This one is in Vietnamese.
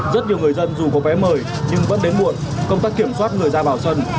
rất nhiều người dân dù có vé mời nhưng vẫn đến muộn công tác kiểm soát người ra vào sân